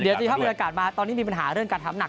เดี๋ยวสิภาพบรรยากาศมาตอนนี้มีปัญหาเรื่องการทำหนัก